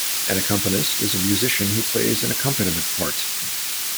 An accompanist is a musician who plays an accompaniment part.